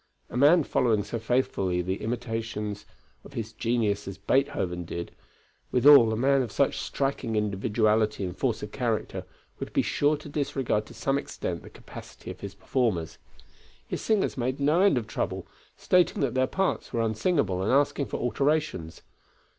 A man following so faithfully the intimations of his genius as did Beethoven, withal a man of such striking individuality and force of character, would be sure to disregard to some extent the capacity of his performers. His singers made no end of trouble, stating that their parts were unsingable and asking for alterations.